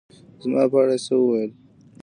زما په اړه يې څه ووېل